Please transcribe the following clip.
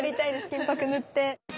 金箔塗って。